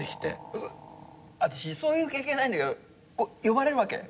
私そういう経験ないんだけど呼ばれるわけ？